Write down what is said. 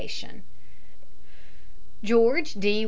} GEORGE D.